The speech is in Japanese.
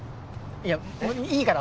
いやもういいから。